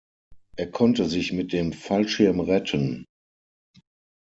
Er konnte sich mit dem Fallschirm retten.